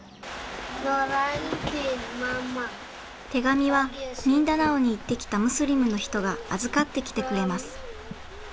手紙はミンダナオに行ってきたムスリムの人が預かってきてくれます。